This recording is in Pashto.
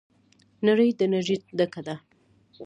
نړۍ د انرژۍ ډکه ده.